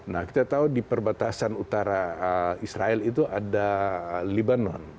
nah kita tahu di perbatasan utara israel itu ada libanon